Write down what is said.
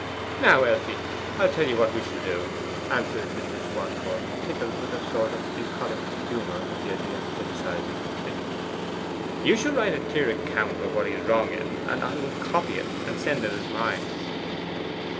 'Now, Elfie, I'll tell you what we will do,' answered Mr. Swancourt, tickled with a sort of bucolic humour at the idea of criticizing the critic. 'You shall write a clear account of what he is wrong in, and I will copy it and send it as mine.